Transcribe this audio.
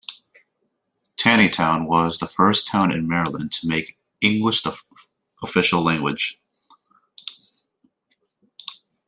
Taneytown was the first town in Maryland to make English the official language.